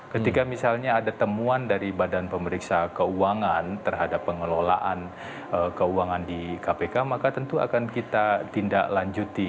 ketika misalnya ada temuan dari badan pemeriksa keuangan terhadap pengelolaan keuangan di kpk maka tentu akan kita tindak lanjuti